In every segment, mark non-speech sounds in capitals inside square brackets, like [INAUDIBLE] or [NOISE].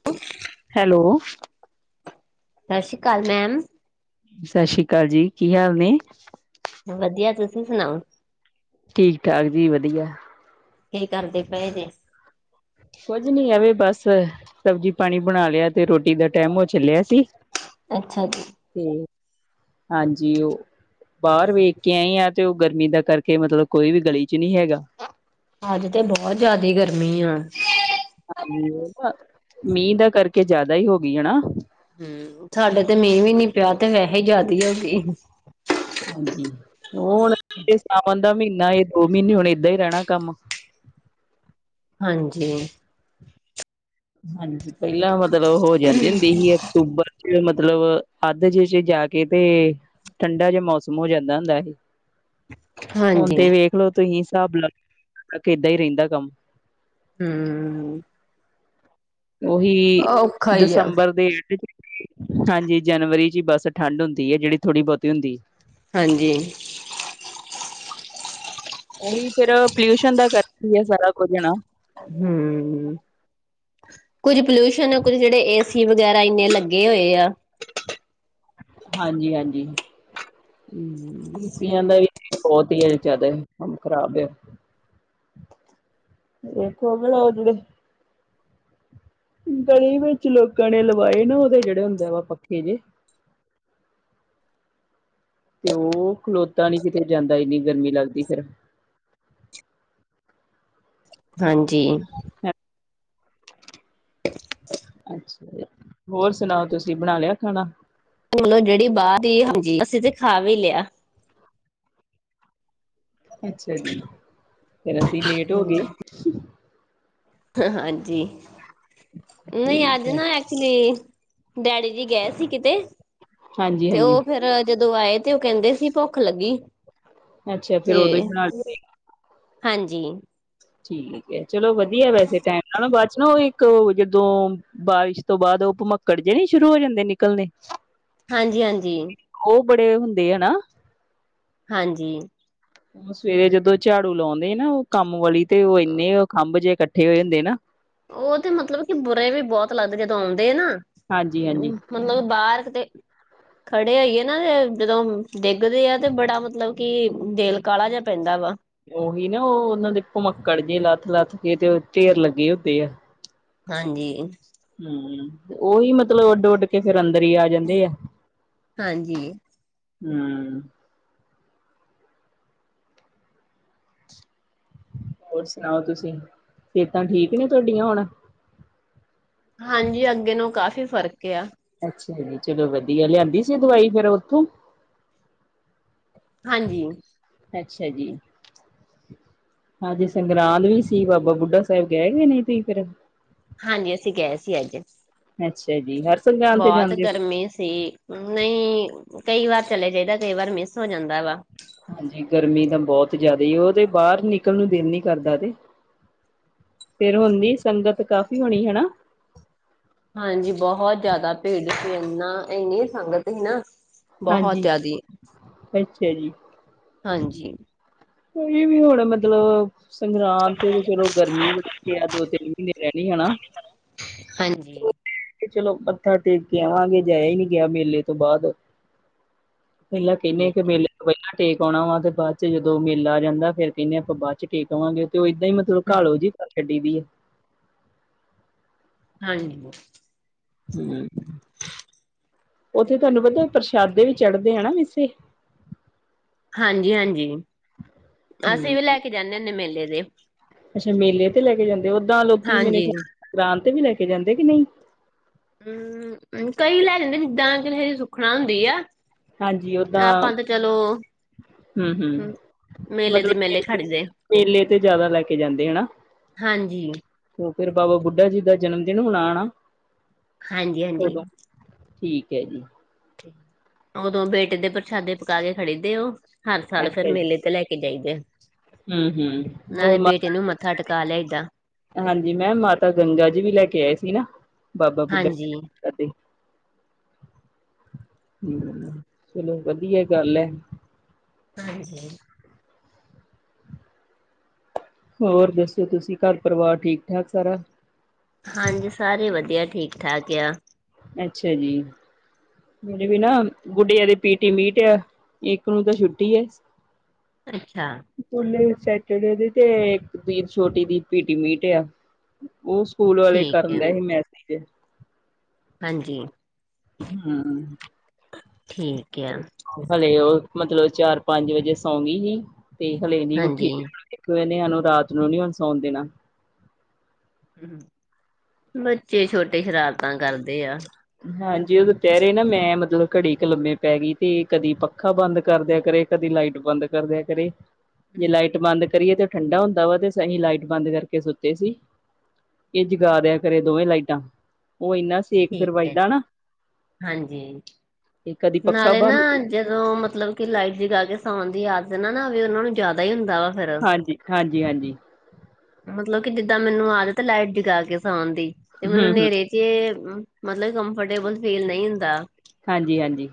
[INAUDIBLE] Hello. ਸਸ਼ੀਕਾਲ ma'am. ਸਸ਼ੀਕਾਲ ਜੀ ਕੀ ਹਾਲ ਨੇ? ਵਦੀਆ, ਤੁਸੀਂ ਸੁਨਾਓ? ਠੀਕ-ਠਾਕ ਜੀ ਵਦੀਆ। ਕੀ ਕਰਦੇ ਪਏ ਜੇ? ਕੁੱਝ ਨੀ ਐਂਵੇ ਬੱਸ ਸਬਜ਼ੀ-ਪਾਣੀ ਬਨਾ ਲਿਆ ਤੇ ਰੋਟੀ ਦਾ ਟੈਮ ਹੋ ਚੱਲੇਆ ਸੀ ਅੱਛਾ ਜੀ ਤੇ ਹਾਂਜੀ, ਓ ਬਾਰ ਵੇਖ ਕੇ ਆਈ ਆਂ ਤੇ ਓ ਗਰਮੀ ਦਾ ਕਰਕੇ ਮਤਲਬ ਕੋਈ ਵੀ ਗਲੀ ਚ ਨੀ ਹੈਗਾ। ਅੱਜ ਤੇ ਬੋਹ ਜਾਅਦੇ ਗਰਮੀ ਆ। ਹਾਂਜੀ ਓ ਤਾਂ ਮੀਂਹ ਦਾ ਕਰਕੇ ਜ਼ਾਅਦਾ ਈ ਹੋ ਗੀਆ ਹਨਾ। ਹੂੰ ਸਾਡੇ ਤੇ ਮੀਂਹ ਵੀ ਨੀ ਪਿਆ ਤੇ ਵੇਹੇ ਈ ਜ਼ਾਅਦੇ ਹੋਗੀ। ਹਾਂਜੀ ਓ ਹੁਨ ਏ ਸਾਵਣ ਦਾ ਮੀਨਾ ਏ ਦੋ ਮੀਨੇ ਹੁਨ ਏਦਾਂ ਈ ਰੈਣਾ ਕੰਮ। ਹਾਂਜੀ। ਹਾਂਜੀ ਪੈਲਾਂ ਮਤਲਬ ਓਹ ਹੋ ਜਾਂਦੀ ਹੁੰਦੀ ਸੀ ਅਕਤੂਬਰ ਚ ਮਤਲਬ ਅੱਦ ਜੇ ਚ ਜਾ ਕੇ ਤੇ ਠੰਡਾ ਜਾ ਮੌਸਮ ਹੋ ਜਾਂਦਾ ਹੁੰਦਾ ਸੀ। ਹੁਨ ਹਾਂਜੀ ਤੇ ਵੇਖ ਲੋ ਤੁਸੀਂ ਹਿਸਾਬ ਲਾ ਲੋ ਕਿ ਤੱਕ ਏਦਾਂ ਈ ਰੈਂਦਾ ਕੰਮ ਹੂੰ। ਓਹੀ ਔਖਾ ਹੀ ਆ ਦਸੰਬਰ ਦੇ ਐਂਡ ਚ ਹਾਂਜੀ ਜਨਵਰੀ ਚ ਈ ਬਸ ਠੰਡ ਹੁੰਦੀ ਐ ਜੇੜੀ ਥੋੜੀ-ਬੋਤੀ ਹੁੰਦੀ ਐ। ਹਾਂਜੀ। ਓਹੀ ਫਿਰ ਪੋਲਿਊਸ਼ਨ ਦਾ ਕਰਕੇ ਈ ਐ ਸਾਰਾ ਕੁਝ ਨਾ। ਹੂੰ। ਕੁਝ ਪੋਲਿਊਸ਼ਨ ਕੁਝ ਜੇੜੇ ਏ ਸੀ ਵਗੈਰਾ ਇੰਨੇ ਲੱਗੇ ਹੋਏ ਆ। ਹਾਂਜੀ-ਹਾਂਜੀ। ਏ ਸੀ ਆ ਦਾ ਵੀ ਬੋਤ ਈ ਏ ਜ਼ਾਅਦਾ ਕੰਮ ਖਰਾਬ ਐ। ਏ ਤੋ [UNINTELLIGIBLE] ਗਲੀ ਵਿੱਚ ਲੋਕਾਂ ਨੇ ਲਵਾਏ ਨਾ ਓਦੇ ਜੇੜੇ ਹੁੰਦਾ ਵਾ ਪੱਖੇ ਜੇ ਤੇ ਓ ਖਲੋਤਾ ਨੀ ਕਿਤੇ ਜਾਂਦਾ ਇੰਨੀ ਗਰਮੀ ਲੱਗਦੀ ਫਿਰ ਹਾਂਜੀ। [INAUDIBLE] ਅੱਛਿਆ ਜੀ, ਹੋਰ ਸੁਨਾਓ ਤੁਸੀਂ ਬਣਾ ਲਿਆ ਖਾਨਾ? ਮੰਨੂ ਦਾ ਡੈਡੀ ਬਾਰ ਦੀ, ਹਾਂਜੀ ਅਸੀਂ ਤੇ ਖਾ ਵੀ ਲਿਆ। ਅੱਛਿਆ ਜੀ, ਫਿਰ ਅਸੀਂ ਲੇਟ ਹੋ ਗੇ। ਹਾਂਜੀ ਹਾਂਜੀ, ਨਈਂ ਠੀਕ ਅੱਜ ਹੈ ਨਾ ਅ ਐਚਲੀ ਡੈਡੀ ਜੀ ਗਏ ਸੀ ਕਿਤੇ ਹਾਂਜੀ ਤੇ ਹਾਂਜੀ ਓ ਫਿਰ ਜਦੋਂ ਆਏ ਤੇ ਓ ਕੈਂਦੇ ਸੀ ਭੁੱਖ ਲੱਗੀ ਅੱਛਾ ਫੇਰ ਤੇ ਉਦੋਂ ਹੀ ਬਣਾ ਲ ਹਾਂਜੀ। ਠੀਕ ਐ ਚਲੋ ਵਦੀਐ ਵੈਸੇ ਟੈਮ ਨਾਲ ਨਾ ਬਾ ਚ ਨਾ ਓਈ ਤੇ ਓ ਜਦੋਂ ਬਾਰਿਸ਼ ਤੋਂ ਬਾਦ ਓ ਭਮੱਕੜ ਜੇ ਨੀ ਸ਼ੁਰੂ ਹੋ ਜਾਂਦੇ ਨਿਕਲਨੇ ਹਾਂਜੀ-ਹਾਂਜੀ। ਉਹ ਬੜੇ ਹੁੰਦੇ ਹਨਾ। ਹਾਂਜੀ ਸਵੇਰੇ ਜਦੋਂ ਝਾੜੂ ਲਾਉਂਦੇ ਨਾ ਉਹ ਕੰਮ ਵਾਲੀ ਤੇ ਉਹ ਇੰਨੇ ਖੰਭ ਜਿਹੇ ਇਕੱਠੇ ਹੋਏ ਹੁੰਦੇ ਨਾ ਉਹ ਤੇ ਮਤਲਬ ਕਿ ਬੁਰੇ ਵੀ ਬਹੁਤ ਲੱਗਦੇ ਜਦੋਂ ਆਉਂਦੇ ਆ ਨਾ ਹਾਂਜੀ ਹਾਂਜੀ ਮਤਲਬ ਬਾਹਰ ਕਿਤੇ ਖੜੇ ਹੋਈਏ ਨਾ ਤੇ ਜਦੋਂ ਡਿੱਗਦੇ ਆ ਤੇ ਬੜਾ ਮਤਲਬ ਕੀ ਦਿਲ ਕਾਲਾ ਜਿਹਾ ਪੈਂਦਾ ਵਾ। ਉਹੀ ਨਾ ਉਹ ਉਹਨਾਂ ਦੇ ਭਮੱਕੜ ਜੇ ਲੱਥ ਲੱਥ ਕੇ ਤੇ ਢੇਰ ਲੱਗੇ ਹੁੰਦੇ ਆ। ਹਾਂਜੀ ਹੂੰ ਉਹੀ ਮਤਲਬ ਉੱਡ ਉੱਡ ਕੇ ਫਿਰ ਅੰਦਰ ਹੀ ਆ ਜਾਂਦੇ ਆ। ਹਾਂਜੀ ਹੂੰ ਹੋਰ ਸੁਣਾਓ ਤੁਸੀਂ ਸਿਹਤਾਂ ਠੀਕ ਨੇ ਤੁਹਾਡੀਆਂ ਹੁਣ ਹਾਂਜੀ ਅੱਗੇ ਨਾਲ਼ੋਂ ਕਾਫ਼ੀ ਫ਼ਰਕ ਆ। ਅੱਛਾ ਜੀ ਚਲੋ ਵਧੀਆ ਲਿਆਂਦੀ ਸੀ ਦਵਾਈ ਫਿਰ ਉੱਥੋਂ ਹਾਂਜੀ ਅੱਛਾ ਜੀ! ਹਾਂਜੀ ਸੰਗਰਾਂਦ ਵੀ ਸੀ ਬਾਬਾ ਬੁੱਢਾ ਸਾਹਿਬ ਗਏਕਿ ਨੇ ਤੁਸੀਂ ਫਿਰ ਹਾਂਜੀ ਅਸੀਂ ਗਏ ਸੀ ਅੱਜ ਅੱਛਾ ਜੀ ਹਰ ਸੰਗਰਾਂਦ ਤੇ ਬਹੁਤ ਜਾਂਦੇ ਹੋ। ਗਰਮੀ ਸੀ। ਨਈ ਕਈ ਵਾਰ ਚਲੇ ਜਾਈਦਾ ਕਈ ਵਾਰ ਮਿਸ ਹੋ ਜਾਂਦਾ ਵਾ। ਹਾਂਜੀ ਗਰਮੀ ਤਾਂ ਬਹੁਤ ਜ਼ਿਆਦਾ ਉਹ ਤੇ ਬਾਹਰ ਨਿਕਲਣ ਨੂੰ ਦਿਲ ਨੀ ਕਰਦਾ ਤੇ ਫਿਰ ਉਨੀ ਸੰਗਤ ਕਾਫ਼ੀ ਹੋਣੀ ਹਣਾ। ਹਾਂਜੀ ਬਹੁਤ ਜ਼ਿਆਦਾ ਭੀੜ ਸੀ ਇਨਾ ਇਹਨੀ ਸੰਗਤ ਸੀ ਨਾ ਬਹੁਤ ਹਾਂਜੀ, ਜ਼ਿਆਦੀ ਅੱਛਾ ਜੀ। ਹਾਂਜੀ ਕੋਈ ਵੀ ਹੁਣ ਮਤਲਬ ਸੰਗਰਾਂਦ ਤੇ ਤੇ ਚਲੋ ਗਰਮੀ ਬੜੀ ਆ ਦੋ ਤਿੰਨ ਮਹੀਨੇ ਰਹਿ ਗਏ ਹਣਾ। ਹਾਂਜੀ ਤੇ ਚਲੋ ਮੱਥਾ ਟੇਕ ਕੇ ਆਵਾਂਗੇ ਜਾਇਆ ਹੀ ਨੀ ਗਿਆ ਮੇਲੇ ਤੋਂ ਬਾਅਦ ਪਹਿਲਾਂ ਕਹਿੰਦੇ ਕਿ ਮੇਲੇ ਤੋਂ ਪਹਿਲਾਂ ਟੇਕ ਆਉਣਾ ਵਾ ਤੇ ਬਾਅਦ ਚ ਜਦੋਂ ਜਦੋਂ ਮੇਲਾ ਆ ਜਾਂਦਾ ਫੇਰ ਕਹਿੰਦੇ ਹ ਆਪਾਂ ਬਾਅਦ ਚ ਟੇਕ ਆਵਾਂਗੇ ਤੇ ਉਹ ਏਦਾਂ ਈ ਮਤਲਬ ਘਾਲੋ ਜਿਹੀ ਪਰ ਛੱਡੀਦੀ ਐ ਹਾਂਜੀ ਹ ਉੱਥੇ ਤੁਹਾਨੂੰ ਪਤਾ ਪ੍ਰਸ਼ਾਦੇ ਵੀ ਚੜ੍ਹਦੇ ਆ ਨਾ ਮਿਸੇ, ਹਾਂਜੀ-ਹਾਂਜੀ ਅਸੀਂ ਹੂੰ, ਵੀ ਲੈ ਕੇ ਜਾਂਣੇ ਹੁੰਣੇ ਆ ਮੇਲੇ ਦੇ, ਅੱਛਾ ਮੇਲੇ ਤੇ ਲੈ ਕੇ ਜਾਂਦੇ ਓਦਾਂ ਲੋਕੀ ਮੇਰੇ ਹਾਂਜੀ ਖਿਆਲ ਸੰਗਰਾਂਦ ਤੇ ਵੀ ਲੈ ਕੇ ਜਾਂਦੇ ਕਿ ਨਹੀਂ। ਹੂੰ ਕਈ ਲੈ ਜਾਂਦੇ ਜਿਦਾ ਕਿਸੇ ਸੁਖਣਾ ਹੁੰਦੀ ਆ ਹਾਂਜੀ ਆਪਾਂ ਤੇ ਚੱਲੋ। ਹੂੰ ਹੂੰ ਦੇ ਮਤਲਬ ਮੇਲੇ ਖੜਦੇ ਮੇਲੇ ਤੇ ਜ਼ਿਆਦਾ ਲੈ ਕੇ ਜਾਂਦੇ ਹਨਾ। ਹਾਂਜੀ ਤੇ ਫੇਰ ਬਾਬਾ ਬੁੱਢਾ ਜੀ ਦਾ ਜਨਮ ਦਿਨ ਹੋਣਾ ਹਨਾ। ਹਾਂਜੀ-ਹਾਂਜੀ ਉਦੋਂ ਠੀਕ ਏ ਜੀ। ਉਦੋਂ ਬੇਟੇ ਦੇ ਪ੍ਰਸ਼ਾਦੇ ਪੱਕਾ ਕੇ ਖੜੇ ਦੇ ਉਹ ਹਰ ਸਾਲ ਫੇਰ ਮੇਲੇ ਤੇ ਲੈ ਕੇ- ਕੇ ਜਾਈਦੇ ਆ ਹੂੰ ਹੂੰ ਹੋਰ ਮੱਥਾ ਟੇਕ ਗਿਆ ਸੀ ਲਈਦਾ ਹਾਂਜੀ ਮੈਂ ਮਾਤਾ ਗੰਗਾ ਜੀ ਵੀ ਲੈ ਕੇ ਆਏ ਸੀ ਨਾ ਬਾਬਾ ਬੁੱਢਾ ਹਾਂਜੀ ਐ ਤੇ, ਹਮ ਚੱਲੋ ਵਧੀਆ ਗੱਲ ਐ ਹਾਂਜੀ। ਹੋਰ ਦੱਸੋ, ਤੁਸੀਂ ਘਰ ਪਰਿਵਾਰ ਠੀਕ-ਠਾਕ ਸਾਰਾ ਹਾਂਜੀ, ਸਾਰੇ ਵਧੀਆ ਠੀਕ-ਠਾਕ ਏ ਆ। ਅੱਛਾ ਜੀ। ਮੇੇਰੇ ਵੀ ਨਾ ਗੁੱਡੀਆਂ ਦੇ ਪੀਟੀ ਮੀਟ ਆ, ਇੱਕ ਨੂੰ ਤਾਂ ਛੁੱਟੀ ਐ। [INAUDIBLE] ਅੱਛਾ। ਸਕੂਲੇ ਸੈਟਰਡੇ ਦੀ ਤੇ, ਇੱਕ ਵੀਰ ਛੋਟੀ ਦੀ ਪੀਟੀ ਮੀਟ ਆ ਉਹ ਸਕੂਲ ਵਾਲੇ ਠੀਕ ਕਰਨ ਹੈ ਦਾ ਐ ਮੈਸੇਜ ਹਾਂਜੀ। ਹਮ ਠੀਕ ਏ। ਹੈਲੇ ਮਤਲਬ ਚਾਰ ਪੰਜ ਵਜੇ ਸੌਂ ਗੀ ਸੀ, ਤੇ ਹਲੇ ਨੀ ਉੱਠੀ ਹਾਂਜੀ ਇੱਕ ਵੇਲੇ ਉਨੂੰ ਰਾਤ ਨੂੰ ਨੀ ਹੁਣ ਸੌਣ ਦੇਣਾ [UNINTELLIGIBLE] ਬੱਚੇ ਛੋਟੇ ਸ਼ਰਾਰਤਾਂ ਕਰਦੇ ਆ ਹਾਂਜੀ ਦੁਪਹਿਰੇ ਨਾ ਮੈਂ ਮਤਲਬ ਘੜੀ ਕੁ ਲੰਮੇ ਪੈ ਗਈ ਤੀ, ਕਦੀ ਪੱਖਾ ਬੰਦ ਕਰਦਿਆ ਕਰੇ ਕਦੀ ਲਾਈਟ ਬੰਦ ਕਰਦਿਆ ਕਰੇ, ਜੇ ਲਾਈਟ ਬੰਦ ਕਰੀਏ ਤੇ ਠੰਡਾ ਹੁੰਦਾ ਵਾ, ਤੇ ਸਹੀ ਲਾਈਟ ਬੰਦ ਕਰਕੇ ਸੁੱਤੇ ਸੀ‌। ਇਹ ਜਗ੍ਹਾ ਦਿਆ ਕਰੇ ਦੋਵੇਂ ਲਾਈਟਾਂ। ਉਹ ਇੰਨਾ ਸ- ਠੀਕ ਐ। ਹਾਂਜੀ, ਤੇ ਕਦੀ ਪੱਖਾ ਨਾਲੇ ਨਾ ਬੰਦ ਜਦੋਂ ਮਤਲਬ ਕਿ ਲਾਈਟ ਜਗਾ ਕੇ ਸਾਉਣ ਦੀ ਆਦਤ ਨਾ-ਨਾ ਹੋਵੇ, ਉਹਨਾ ਨੂੰ ਜਿਆਦਾ ਹੀ ਹੁੰਦਾ ਵਾ ਫਿਰ ਹਾਂਜੀ, ਹਾਂਜੀ-ਹਾਂਜੀ। ਮਤਲਬ ਕਿ ਜਿੱਦਾਂ ਮੈਨੂੰ ਆਦਤ ਏ ਲਾਈਟ ਜਗਾ ਕੇ ਸਉਣ ਦੀ, ਤੇ ਮੈਨੂੰ ਹੂੰ ਹੂੰ ਹਨੇਰੇ ਚ- ਤੇ, ਮਤਲਬ ਕੰਫਟੇਬਲ ਫੀਲ ਨਹੀਂ ਹੁੰਦਾ। ਹਾਂਜੀ-ਹਾਂਜੀ।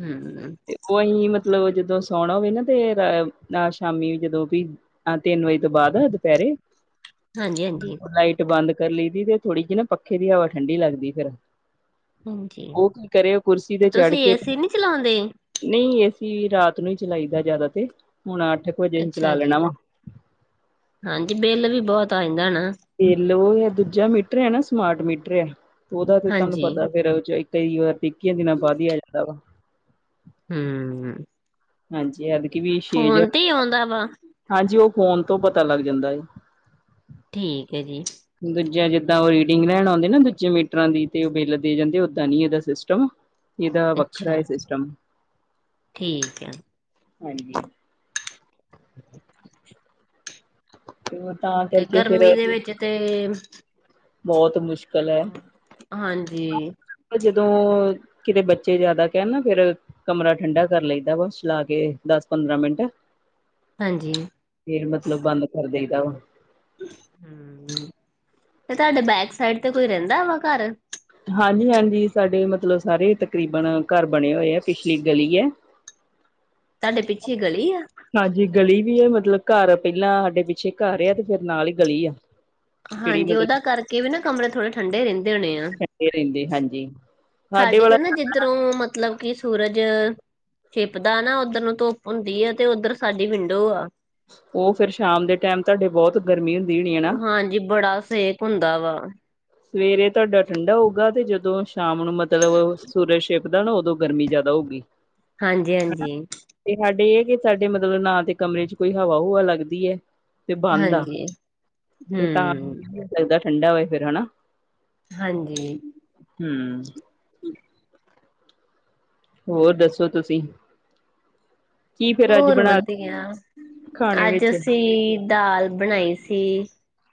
ਹਮ ਉਹੀ ਮਤਲਬ ਜਿਦਾ‌ ਸਾੜੋਗੇ ਨਾ ਤੇ ਅ ਅ ਸ਼ਾਮੀ ਜਦੋਂ ਵੀ ਹਾਂ ਤਿੰਨ ਵਜੇ ਤੋਂ ਬਾਅਦ ਆ ਦੁਪਹਿਰੇ, ਹਾਂਜੀ ਹਾਂਜੀ ਲਾਈ- ਟ ਬੰਦ ਕਰ ਲਈ ਦੀ ਤੇ ਥੋੜੀ ਜਿਹੀ ਨਾ, ਪੱਖੇ ਦੀ ਹਵਾ ਠੰਡੀ ਲੱਗਦੀ ਫਿਰ ਹਾਂਜੀ ਉਹ ਕੀ ਕਰੇ, ਉਹ ਕੁਰਸੀ ਤੇ ਚੜ ਤੁਸੀਂ ਕੇ ਏਸੀ ਨਹੀਂ ਚਲਾਉਂਦੇ ਨਹੀਂ, ਏ ਸੀ ਰਾਤ ਨੂੰ ਹੀ ਚਲਾਈਦਾ ਜਿਆਦਾ ਤੇ, ਹੁਣ ਅੱਠ ਕੁ ਵਜੇ ਹੀ ਚਲਾ ਅੱਛਾ ਜੀ ਲੈਣਾ ਵਾ ਹਾਂਜੀ, ਬਿੱਲ ਵੀ ਬਹੁਤ ਆ ਜਾਂਦਾ ਨਾ ਤੇ ਲੋ ਉਹ ਦੂਜਾ ਮੀਟਰ ਹੈ ਨਾ ਸਮਾਰਟ ਮੀਟਰ ਆ, ਉਹਦਾ ਫਿਰ ਤੁਹਾਨੂੰ ਹਾਂਜੀ ਪਤਾ ਫਿਰ ਚ ਕਈ ਵਾਰ ਟਿੱਕੀਆਂ ਦੀ ਨਾਲ ਵਧੀਆ ਆ ਜਾਂਦਾ ਵਾ ਹਮ। ਹਾਂਜੀ ਐਦਕੀ ਵੀ ਛੇ ਜ, ਫੋਨ ਤੇ ਹੀ ਆਉਂਦਾ ਵਾ ਹਾਂਜੀ ਉਹ ਫੋਨ ਤੋਂ ਪਤਾ ਲੱਗ ਜਾਂਦਾ ਏ ਠੀਕ ਹੈ ਜੀ। ਦੂਜਾ ਜਿੱਦਾਂ ਉਹ ਰੀਡਿੰਗ ਲੈਣ ਆਉਂਦੇ ਨਾ ਦੂਜੇ ਮੀਟਰਾਂ ਦੀ, ਤੇ ਉਹ ਬਿੱਲ ਦੇ ਜਾਂਦੇ, ਓਦਾਂ ਨਹੀਂ ਇਹਦਾ ਸਿਸਟਮ ਇਹਦਾ ਵੱਖਰਾ ਹੈ ਅੱਛਾ ਸਿਸਟਮ। ਠੀਕ ਹੈ। ਹਾਂਜੀ। [UNINTELLIGIBLE] ਤੇ ਗਰਮੀ ਫੇਰ ਦੇ ਵਿੱਚ ਤੇ ਬਹੁਤ ਮੁਸ਼ਕਿਲ ਐ। ਹਾਂਜੀ ਕਿ ਜਦੋਂ ਕਿਤੇ ਬੱਚੇ ਜਿਆਦਾ ਕਹਿਣ ਨਾ ਫਿਰ। ਕਮਰਾ ਠੰਡਾ ਕਰ ਲਈਦਾ ਵਾ ਚਲਾ ਕੇ ਦਸ ਪੰਦਰਾਂ ਮਿੰਟ। ਹਾਂਜੀ। ਫਿਰ ਮਤਲਬ ਬੰਦ ਕਰ ਦੇਈਦਾ ਹੁਣ। ਤੇ ਤੁਹਾਡੇ ਬੈਕ ਸਾਈਡ ਤੇ ਕੋਈ ਰਹਿੰਦਾ ਵਾ ਘਰ। ਹਾਂਜੀ-ਹਾਂਜੀ ਸਾਡੇ ਮਤਲਬ ਸਾਰੇ ਤਕਰੀਬਨ ਘਰ ਬਣੇ ਹੋਏ ਆ ਪਿਛਲੀ ਗਲੀ ਹੈ। ਤੁਹਾਡੇ ਪਿੱਛੇ ਗਲੀ ਐ। ਹਾਂਜੀ ਗਲੀ ਵੀ ਆ ਮਤਲਬ ਘਰ ਪਹਿਲਾਂ ਸਾਡੇ ਪਿੱਛੇ ਘਰ ਆ ਤੇ ਫਿਰ ਨਾਲ ਹੀ ਗਲੀ ਆ। ਜਿਹੜੀ ਹਾਂਜੀ ਉਹਦਾ ਕਰਕੇ ਵੀ ਨਾ ਕਮਰਾ ਥੋੜ੍ਹੇ। ਠੰਡੇ ਰਹਿੰਦੇ ਹੋਣੇ ਆ ਮਤਲਬ ਰਹਿੰਦੇ ਹਾਂਜੀ ਸਾਡੇ ਤਾਂ ਨਾ ਜਿੱਦ। ਦੁਰੋਂ ਮਤਲਬ ਕਿ ਸੂਰਜ। ਛਿਪਦਾ ਨਾ ਉੱਧਰ ਨੂੰ ਧੁੱਪ ਹੁੰਦੀ ਆ ਤੇ ਉੱਧਰ ਸਾਡੀ ਵਿੰਡੋ ਆ। ਉਹ ਫਿਰ ਸ਼ਾਮ ਦੇ ਟਾਈਮ ਤੁਹਾਡੇ ਬਹੁਤ ਗਰਮੀ ਹੁੰਦੀ ਹੋਣੀ ਹਨਾ। ਹਾਂਜੀ ਬੜਾ ਸੇਕ। ਹੁੰਦਾ ਵਾ। ਸਵੇਰੇ ਤੁਹਾਡਾ ਠੰਡਾ ਹੋਊਗਾ ਤੇ ਜਦੋਂ ਸ਼ਾਮ ਨੂੰ ਮਤਲਬ। ਸੂਰਜ ਛਿਪਦਾ ਨਾ ਉਦੋਂ ਗਰਮੀ ਜ਼ਿਆਦਾ ਹੋਊਗੀ। ਹਾਂਜੀ-ਹਾਂਜੀ। ਤੇ ਸਾਡੇ ਇਹ ਕਿ ਸਾਡੇ ਮਤਲਬ ਨਾ ਤੇ ਕਮਰੇ 'ਚ ਕੋਈ ਹਵਾ ਹੁਵਾ ਲੱਗਦੀ ਹੈ। ਤੇ ਬੰਦ ਆ ਹਾਂਜੀ ਤੇ ਤਾਂ ਹੂੰ ਹੋ ਸਕਦਾ ਜਿਆਦਾ ਠੰਡਾ ਹੋਏ ਫਿਰ ਹਨਾ। ਹਾਂਜੀ। ਹਮ। ਹੋਰ ਦੱਸੋ ਤੁਸੀਂ। ਕੀ ਫੇਰ ਅੱਜ ਹੋਰ ਬਣਾ ਵਧੀਆ ਖਾਣੇ ਅੱਜ ਵਿੱਚ ਅਸੀਂ ਦਾਲ। ਬਣਾਈ ਸੀ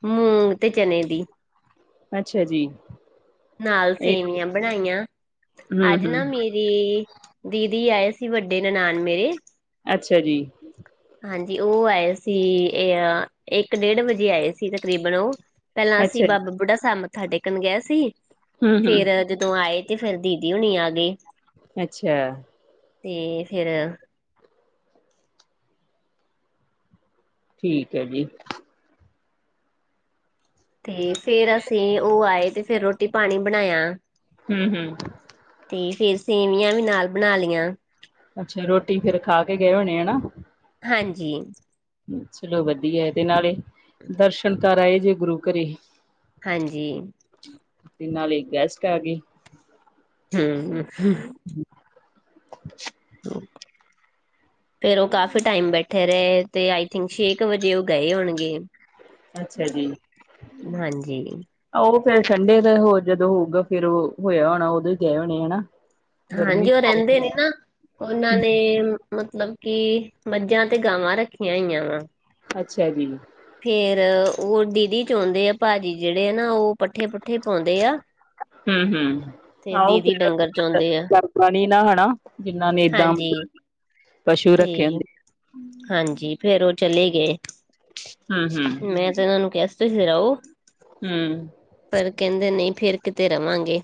ਮੂਗ ਤੇ ਚਨੇ ਦੀ। ਅੱਛਾ ਜੀ। ਨਾਲ ਇਹ ਸੇਵੀਆਂ ਬਣਾਈਆਂ ਹੂੰ ਅੱਜ ਹੂੰ ਨਾ ਮੇਰੀ। ਦੀਦੀ ਆਏ ਸੀ ਵੱਡੇ ਨਨਾਾਨ ਮੇਰੇ। ਅੱਛਾ ਜੀ। ਹਾਂਜੀ ਉਹ ਆਏ ਸੀ ਇਹ ਇੱਕ ਡੇਢ ਵਜੇ ਆਏ ਸੀ ਤਕਰੀਬਨ ਉਹ। ਪਹਿਲਾਂ ਅਸੀਂ ਅੱਛਾ ਬਾਬਾ ਬੁੱਢਾ ਸਾਹਿਬ ਮੱਥਾ ਟੇਕਣ ਗਏ ਸੀ ਜੀ ਹੂੰ ਹੂੰ ਫਿਰ ਜਦੋਂ ਆਏ। ਤੇ ਫਿਰ ਦੀਦੀ ਹੁਣੀ ਆ ਗਏ। ਅੱਛਾ। ਤੇ ਫਿਰ। ਠੀਕ ਹੈ ਜੀ। ਤੇ ਫੇਰ ਅਸੀਂ ਉਹ ਆਏ ਤੇ ਫਿਰ ਰੋਟੀ ਪਾਣੀ ਬਣਾਇਆ। ਹੂਮ ਹੂਮ। ਤੇ ਫੇਰ ਸੇਵੀਆਂ ਵੀ ਨਾਲ ਬਣਾ ਲਿਆ। ਅੱਛਾ ਰੋਟੀ ਫਿਰ ਖਾ ਕੇ ਗਏ ਹੋਣੇ ਹਨਾ। ਹਾਂਜੀ। ਚਲੋ ਵਧੀਆ ਤੇ ਨਾਲੇ ਦਰਸ਼ਨ ਕਰ ਆਏ ਜੇ ਗੁਰੂ ਘਰੇ। ਹਾਂਜੀ। ਨਾਲੇ ਗੈਸਟ ਆ ਗਏ। ਹੂੰ [UNINTELLIGIBLE] [INAUDIBLE] ਫੇਰ ਉਹ ਕਾਫੀ ਟਾਈਮ ਬੈਠੇ ਰਹੇ ਤੇ ਆਈ ਥਿੰਕ ਛੇ ਕੁ ਵਜੇ ਉਹ ਗਏ ਹੋਣਗੇ। ਅੱਛਾ ਜੀ ਹਾਂਜੀ ਉਹ ਫੇਰ ਠੰਡੇ ਦਾ ਹੋਰ ਜਦੋਂ ਹੋਊਗਾ ਫੇਰ ਉਹ ਹੋਇਆ ਹੋਣਾ ਉਦੋਂ ਹੀ ਗਏ ਹੋਣੇ ਹਨਾ। ਗਰਮੀ ਹਾਂਜੀ ਉਹ ਰਹਿੰਦੇ ਨੇ ਨਾ ਉਹਨਾਂ ਨੇ ਮਤਲਬ ਕਿ ਮੱਝਾਂ ਤੇ ਗਾਵਾਂ ਰੱਖੀਆਂ ਹੋਈਆਂ ਵਾ ਅੱਛਾ ਜੀ ਫੇਰ ਉਹ ਦੀਦੀ ਚੁੰਦੇ ਆ ਭਾਜੀ ਜਿਹੜੇ ਆ ਨਾ ਉਹ ਪੱਠੇ ਪੁਠੇ ਪਾਉਂਦੇ ਆ ਹੂੰ ਹੂੰ ਤੇ ਆਹੋ ਦੀਦੀ ਫਿਰ ਡੰਗਰ ਚੋਂਦੇ ਆ ਕਰ ਨੀ ਨਾ ਹੈਣਾ ਜਿੰਨਾ ਨੇ ਏਦਾਂ ਹਾਂਜੀ ਪਸ਼ੂ ਤੇ ਰੱਖੇ ਹੁੰਦੇ ਹਾਂਜੀ ਫੇਰ ਉਹ ਚਲੇ ਗਏ। ਹੂੰ-ਹੂੰ-ਹੂੰ ਮੈਂ ਤੇ ਇਹਨਾਂ ਨੂੰ ਕਿਹਾ ਤੁਸੀ ਰਹੋ ਪਰ ਕਹਿੰਦੇ ਨਹੀਂ ਫੇਰ ਕਿਤੇ ਰਵਾਂਗੇ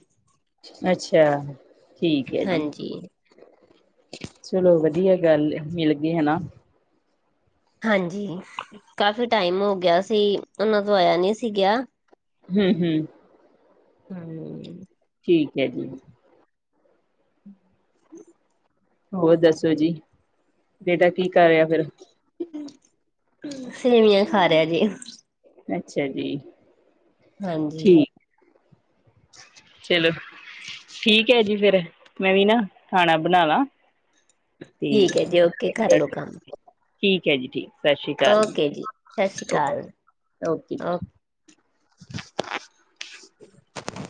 ਅੱਛਾ ਠੀਕ ਹੈ ਜੀ। ਹਾਂਜੀ ਚਲੋ ਵਧੀਆ ਗੱਲ ਏ ਮਿਲ ਗਏ ਹਨਾ। ਹਾਂਜੀ ਕਾਫੀ ਟਾਈਮ ਹੋ ਗਿਆ ਸੀ ਉਹਨਾਂ ਤੋਂ ਆਇਆ ਨਹੀਂ ਸੀ ਗਿਆ। ਹੂੰ ਹੂੰ ਹੂੰ ਠੀਕ ਹੈ ਜੀ ਹੋਰ ਦੱਸੋ ਜੀ ਬੇਟਾ ਕੀ ਕਰ ਰਿਹਾ ਫੇਰ ਸੇਵੀਆਂ ਖਾ ਰਿਹਾ ਜੀ ਅੱਛਾ ਜੀ ਹਾਂਜੀ ਠੀਕ ਚਲੋ ਠੀਕ ਹੈ ਜੀ ਫੇਰ ਮੈਂ ਵੀ ਨਾ ਖਾਣਾ ਬਣਾ ਲਾ ਠੀਕ ਹੈ ਜੀ ਓਕੇ ਕਰ ਲੋ ਕੰਮ ਹੈ ਜੀ ਠੀਕ ਸਤਿ ਸ਼੍ਰੀ ਅਕਾਲ ਜੀ ਓਕੇ ਸਤਿ ਸ਼੍ਰੀ ਅਕਾਲ ਓਕੇ ਓਕੇ ਜੀ